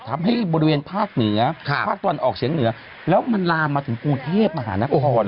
ทำให้บริเวณภาคเหนือภาคตะวันออกเฉียงเหนือแล้วมันลามมาถึงกรุงเทพมหานคร